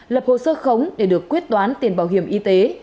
lập hồ sơ khống để được quyết toán tiền bảo hiểm y tế